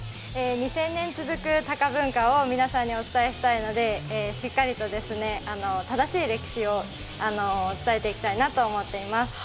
２０００年続く鷹文化を皆さんにお伝えしたいのでしっかりと、正しい歴史を伝えていきたいなと思っています。